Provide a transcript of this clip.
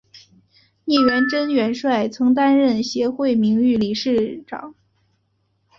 聂荣臻元帅曾担任协会名誉理事长。